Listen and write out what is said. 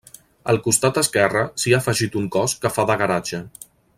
Al costat esquerre s'hi ha afegit un cos que fa de garatge.